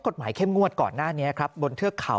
เข้มงวดก่อนหน้านี้ครับบนเทือกเขา